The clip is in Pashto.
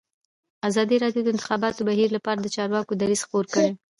ازادي راډیو د د انتخاباتو بهیر لپاره د چارواکو دریځ خپور کړی.